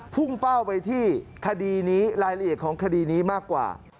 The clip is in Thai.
พุ่งเป้าไปที่คดีนี้รายละเอียดของคดีนี้มากกว่า